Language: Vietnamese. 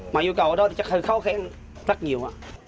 mà nhu cầu đó chắc khó khăn rất nhiều